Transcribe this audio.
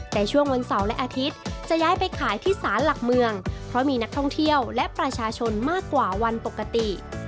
แต่ช่วงวันเสาร์และอาทิตย์จะย้ายไปขายที่สารหลักเมืองเพราะมีนักท่องเที่ยวและประชาชนมากกว่าวันปกติ